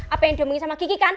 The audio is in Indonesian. apa yang dia minggir sama kiki kan